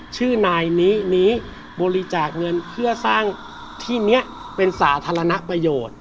ชื่อนายนี้นี้บริจาคเงินเพื่อสร้างที่นี้เป็นสาธารณประโยชน์